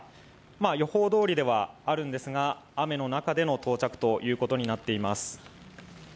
予報どおりではあるんですが雨の中の到着ということになっています。